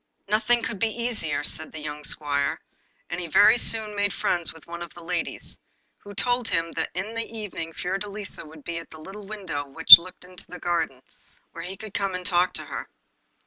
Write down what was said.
'Nothing could be easier,' said the young squire; and he very soon made friends with one of the ladies, who told him that in the evening Fiordelisa would be at a little window which looked into the garden, where he could come and talk to her.